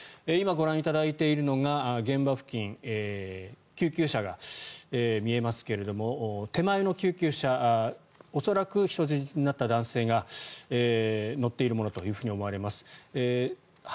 今、ご覧いただいているのが現場付近救急車が見えますけれど手前の救急車恐らく人質になった男性が乗っているものと思われます。